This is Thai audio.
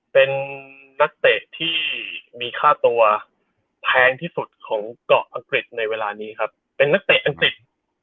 เป็นนักเตะที่มีค่าตัวแพงที่สุดของเกาะอังกฤษในเวลานี้ครับเป็นนักเตะอังกฤษ